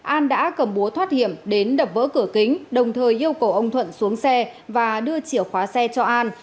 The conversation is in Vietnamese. an đã cầm búa thoát hiểm đến đập vỡ cửa kính đồng thời yêu cầu ông thuận xuống xe và đưa chìa khóa xe cho an